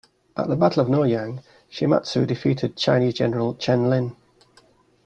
At the Battle of Noryang, Shimazu defeated Chinese general Chen Lin.